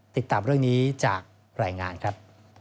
ติดตามเรื่องนี้จากรายงานครับ